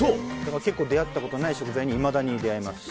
結構出合ったことない食材にいまだに出合えますし。